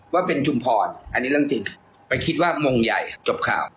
ว่าเป็นชุมพรอันนี้เรื่องจริงไปคิดว่ามงใหญ่จบข่าว